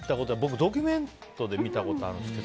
ドキュメンタリーで見たことがあるんですけど